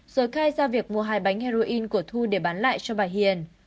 rồi cai ra việc mua hai bánh heroin của thu để bán lại cho bà hiền